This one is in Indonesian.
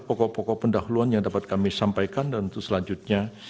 pokok pokok pendahuluan yang dapat kami sampaikan dan untuk selanjutnya